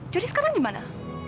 jadi sekarang gimana